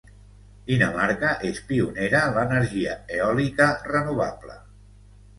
Dinamarca és pionera en l'energia eòlica renovable.